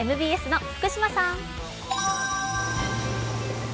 ＭＢＳの福島さん。